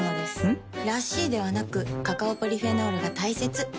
ん？らしいではなくカカオポリフェノールが大切なんです。